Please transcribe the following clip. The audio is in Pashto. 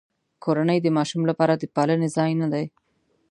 کورنۍ د ماشوم لپاره د پالنې ځای نه دی.